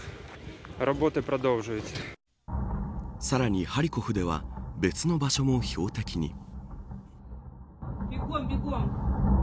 さらに、ハリコフでは別の場所も標的に。